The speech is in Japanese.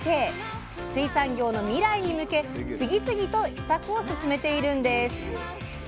水産業の未来に向け次々と秘策を進めているんです。